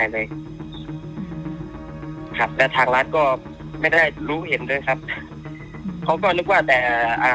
เลยครับแล้วทางร้านก็ไม่ได้รู้เห็นด้วยครับเขาก็นึกว่าแต่อ่า